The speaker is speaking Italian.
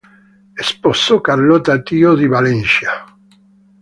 Sposò Carlotta Tio di Valencia.